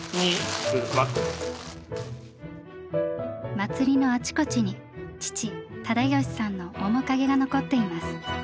祭りのあちこちに父忠喜さんの面影が残っています。